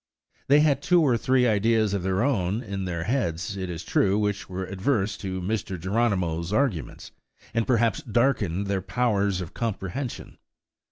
They had two or three ideas of their own in their heads, it is true, which were adverse to Mr. Geronimo's arguments, and perhaps darkened their powers of comprehension.